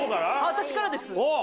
私からです。